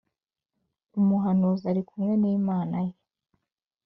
Umuhanuzi uri kumwe n’Imana ye,